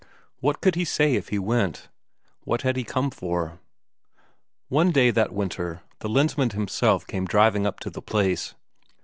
What could he say if he went what had he come for? One day that winter the Lensmand himself came driving up to the place.